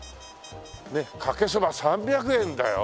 ねっかけそば３００円だよ。